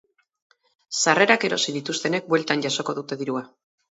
Sarrerak erosi dituztenek bueltan jasoko dute dirua.